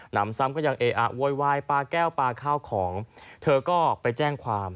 นำซ้ำก็ยังเออะโวยวายปลาแก้วปลาข้าวของเธอก็ไปแจ้งความ